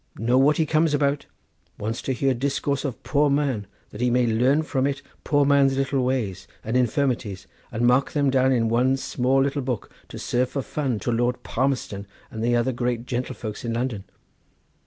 Know what he comes about. Wants to hear discourse of poor man, that he may learn from it poor man's little ways and invirmities, and mark them down in one small, little book to serve for fun to Lord Palmerston and the other great gentlefolks in London.